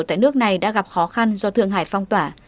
tại nước này đã gặp khó khăn do thượng hải phong tỏa